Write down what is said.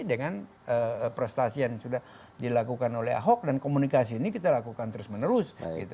dengan prestasi yang sudah dilakukan oleh ahok dan komunikasi ini kita lakukan terus menerus